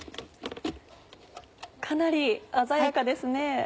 かなり鮮やかですね。